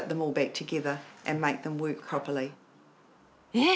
えっ？